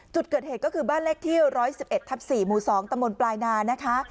จุดเกิดเหตุก็คือบ้านเลขที่๑๑๑ทับ๔หมู่๒ตำบลปลายนานะคะ